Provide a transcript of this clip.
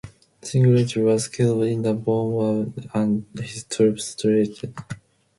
Singletary was killed in the bombardment, and his troops retreated.